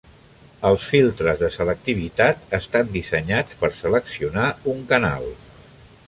Els filtres de selectivitat estan dissenyats per "seleccionar" un canal.